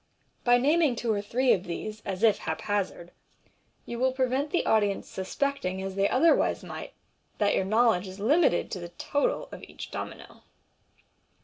By naming one or two of these, as if hap hazard, you will prevent the audience suspecting, as they otherwise might, that four knowledge is limited to the total of each domino.